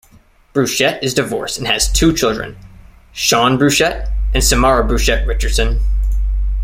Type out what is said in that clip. Brushett is divorced and has two children, Sean Brushett and Samara Brushett Richardson.